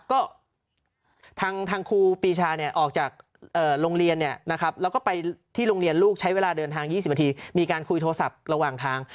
ก็ทางครูปีชาออกจากโรงเรียนแล้วก็ไปที่โรงเรียนลูกใช้เวลาเดินทาง๒๐นาทีมีการคุยโทรศัพท์ระหว่างทาง